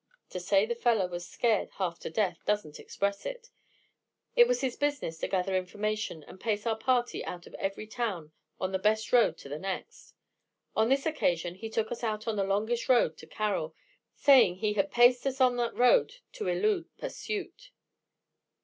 To say the fellow was scared half to death doesn't express it. It was his business to gather information and pace our party out of every town on the best road to the next. On this occasion he took us out on the longest road to Carroll, saying he had paced us on that road to elude pursuit.